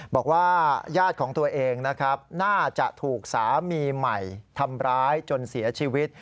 บอกว่าญาติของตัวเองนะครับน่าจะถูกสามีใหม่ทำร้ายจนเสียชีวิต